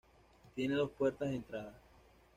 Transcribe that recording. Tiene dos puertas de entrada.